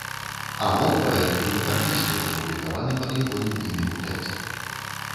А мог паэт і не падпісваць апублікаваны пад ягоным імем тэкст.